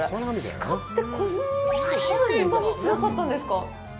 鹿って、こんなにうまみ強かったんですか？